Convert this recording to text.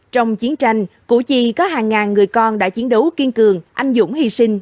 trong chiến tranh củ chi có hàng ngàn người con đã chiến đấu kiên cường anh dũng hy sinh